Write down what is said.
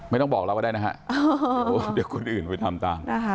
ไม่ต้องบอกเราก็ได้นะฮะเดี๋ยวคนอื่นไปทำตาม